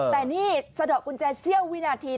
แต่นี่สะดอกกุญแจเสี้ยววินาที